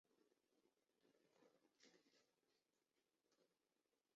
伊奈牛站石北本线上的站。